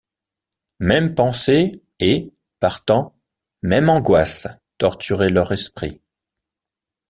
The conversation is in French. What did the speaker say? Mêmes pensées, et, partant, mêmes angoisses torturaient leur esprit.